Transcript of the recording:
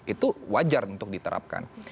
itu wajar untuk diterapkan